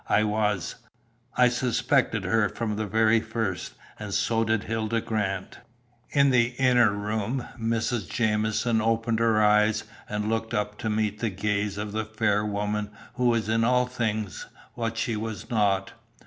I was. I suspected her from the very first, and so did Hilda Grant." In the inner room, Mrs. Jamieson opened her eyes and looked up to meet the gaze of the fair woman who was in all things what she was not.